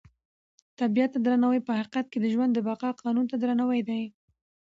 طبیعت ته درناوی په حقیقت کې د ژوند د بقا قانون ته درناوی دی.